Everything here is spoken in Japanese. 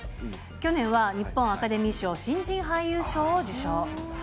去年は日本アカデミー賞新人俳優賞を受賞。